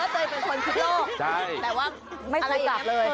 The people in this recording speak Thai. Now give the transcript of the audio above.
ภูมิใจกับว่าเออเตยเป็นคนคิดโลก